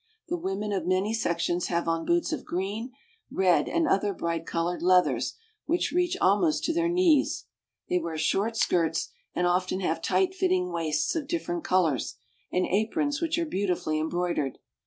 The women of many sections have on boots of green, red, and other bright colored leathers, which reach almost to their knees. They wear short skirts, and often have tight fitting waists of different colors, and aprons which are beautifully embroid ered.